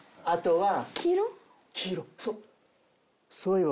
あとは黄色そう